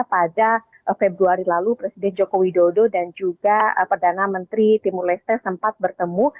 pada februari lalu presiden joko widodo dan juga perdana menteri timur leste sempat bertemu